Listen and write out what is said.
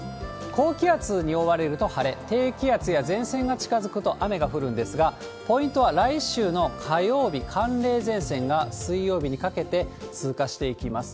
高気圧に覆われると晴れ、低気圧や前線が近づくと雨が降るんですが、ポイントは来週の火曜日、寒冷前線が水曜日にかけて通過していきます。